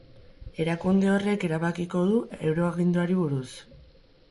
Erakunde horrek erabakiko du euroaginduari buruz.